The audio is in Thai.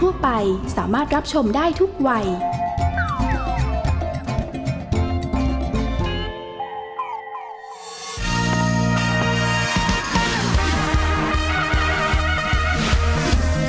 แม่บ้านประจำบาน